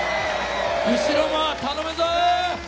後ろも頼むぞ！！